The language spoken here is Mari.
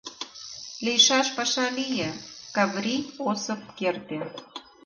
Лийшаш паша лие: Каврий Осып керте.